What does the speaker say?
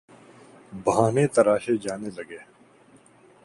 بہانے تراشے جانے لگے۔